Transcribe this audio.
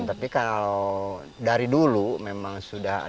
tapi kalau dari dulu memang sudah ada